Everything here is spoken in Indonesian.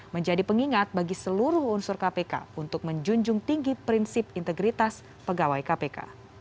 menjadi pengingat bagi seluruh unsur kpk untuk menjunjung tinggi prinsip integritas pegawai kpk